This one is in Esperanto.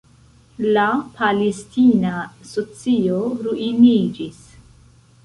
La palestina socio ruiniĝis.